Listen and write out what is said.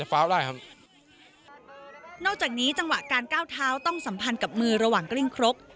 นอกจากนี้จังหวะการก้าวเท้าต้องสัมพันธ์กับมือระหว่างกลิ้งครก